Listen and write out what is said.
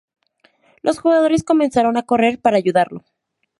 Los jugadores comenzaron a correr para ayudarlo.